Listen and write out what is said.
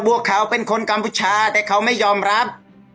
วกเขาเป็นคนกัมพูชาแต่เขาไม่ยอมรับ